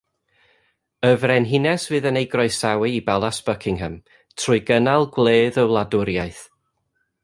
Y Frenhines fydd yn ei groesawu i Balas Buckingham trwy gynnal gwledd y wladwriaeth.